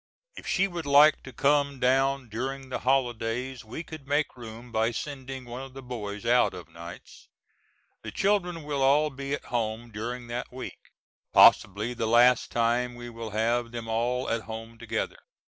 If she would like to come down during the holidays we could make room by sending one of the boys out o' nights. The children will all be at home during that week; possibly the last time we will have them all at home together.